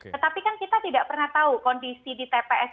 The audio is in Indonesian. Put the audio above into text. tetapi kan kita tidak pernah tahu kondisi di tps